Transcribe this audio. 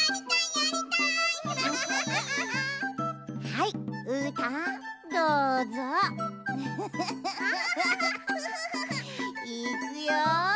いくよ。